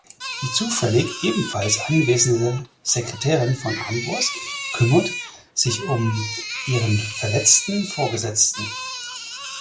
Die zufällig ebenfalls anwesende Sekretärin von Ambrose kümmert sich um ihren verletzten Vorgesetzten.